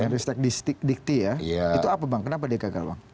ristek dikti ya itu apa bang kenapa dia gagal bang